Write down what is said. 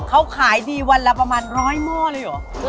เขาขายดีวันละประมาณร้อยหม้อเลยเหรอ